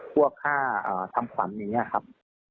พวกค่าทำฝันอย่างนี้ครับ